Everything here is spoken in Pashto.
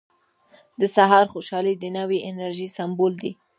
• د سهار خوشحالي د نوې انرژۍ سمبول دی.